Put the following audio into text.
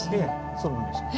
そうなんです。